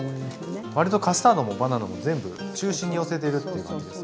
割とカスタードもバナナも全部中心に寄せてるっていう感じですね。